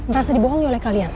berasa dibohongi oleh kalian